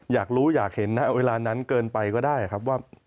อยากรู้อยากเห็นนะเวลานั้นเกินไปก็ได้ครับว่า